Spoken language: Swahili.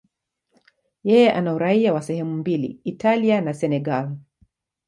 Yeye ana uraia wa sehemu mbili, Italia na Senegal.